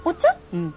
うん。